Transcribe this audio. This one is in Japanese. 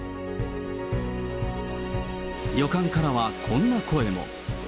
旅館からはこんな声も。